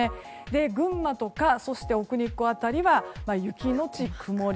群馬とか奥日光辺りは雪のち曇り